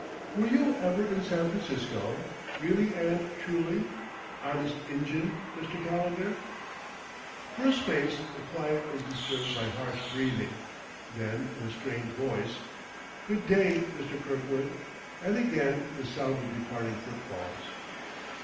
"Were you ever in San Francisco? Really and truly? Honest Injun, Mr. Calendar?" For a space the quiet was disturbed by harsh breathing; then, in a strained voice, "Good day, Mr. Kirkwood"; and again the sound of departing footfalls.